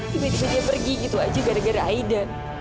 tiba tiba dia pergi gitu aja gara gara aiden